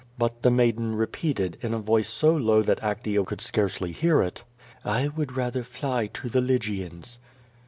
" But the maiden repeated, in a voice so low that Actea could scarcely hear it: "I would rather fly to the Lygians."